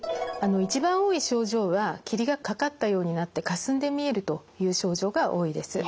一番多い症状は霧がかかったようになってかすんで見えるという症状が多いです。